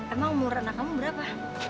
emang umur anak kamu berapa